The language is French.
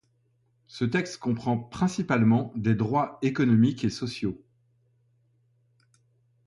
Ce texte comprend principalement des droits économiques et sociaux.